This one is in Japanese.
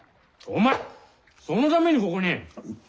お前そのためにここに。